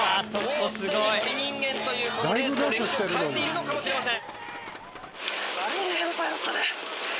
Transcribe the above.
もうすでに『鳥人間』というこのレースの歴史を変えているのかもしれません。